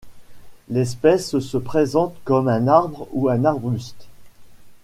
L'espèce se présente comme un arbre ou un arbuste.